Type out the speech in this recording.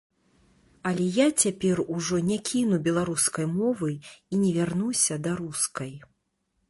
Але я цяпер ужо не кіну беларускай мовы і не вярнуся да рускай.